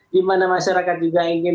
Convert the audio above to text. di mana masyarakat juga ingin